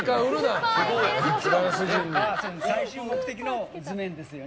最終目的の図面ですよね。